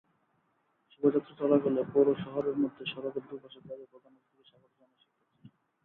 শোভাযাত্রা চলাকালে পৌর শহরের মধ্যে সড়কের দুপাশে দাঁড়িয়ে প্রধান অতিথিকে স্বাগত জানায় শিক্ষার্থীরা।